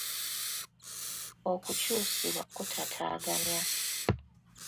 Okukyusibwa kutataaganya.